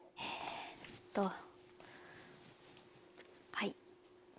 はい。